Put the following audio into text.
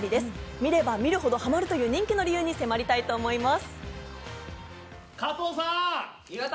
見れば見るほどハマるという人気の理由に迫りたいと思います。